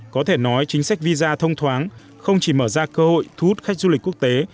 có thể nói chính sách visa thông thoáng không chỉ mở ra cơ hội thu hút khách du lịch quốc tế